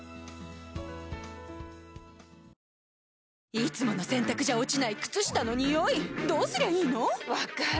いつもの洗たくじゃ落ちない靴下のニオイどうすりゃいいの⁉分かる。